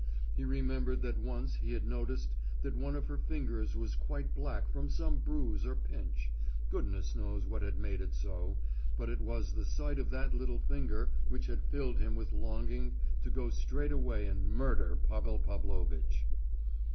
He remembered that once he had noticed that one of her fingers was quite black from some bruise or pinch—goodness knows what had made it so, but it was the sight of that little finger which had filled him with longing to go straight away and murder Pavel Pavlovitch.